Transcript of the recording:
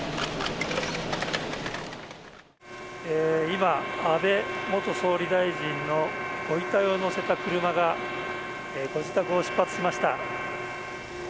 今、安倍元総理大臣のご遺体を乗せた車がご自宅を出発しました。